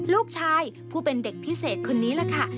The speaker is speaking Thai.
ลูกชายผู้เป็นเด็กพิเศษคนนี้แหละค่ะ